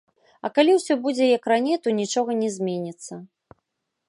А калі ўсё будзе як раней, то нічога не зменіцца.